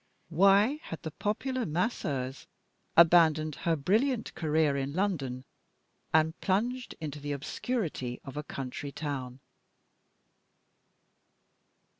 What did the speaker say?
Why had the Popular Masseuse abandoned her brilliant career in London, and plunged into the obscurity of a country town?